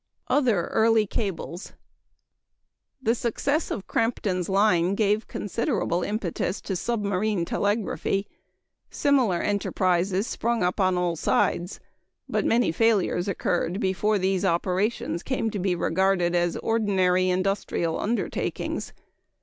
Other Early Cables. The success of Crampton's line gave considerable impetus to submarine telegraphy. Similar enterprises sprung up on all sides; but many failures occurred before these operations came to be regarded as ordinary industrial undertakings.